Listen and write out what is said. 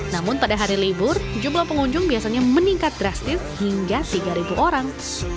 namun pada hari libur jumlah pengunjung biasanya meningkat drastis hingga tiga orang